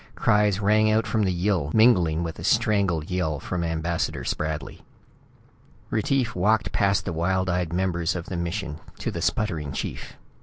Cries rang out from the Yill, mingling with a strangled yell from Ambassador Spradley. Retief walked past the wild eyed members of the mission to the sputtering chief. "Mr.